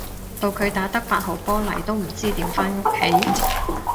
到佢打得八號波嚟都唔知點返屋企